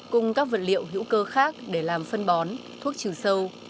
cùng các vật liệu hữu cơ khác để làm phân bón thuốc trừ sâu